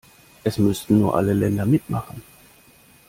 Es müssten nur alle Länder mitmachen.